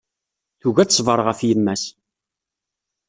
Tugi ad teṣber ɣef yemma-s.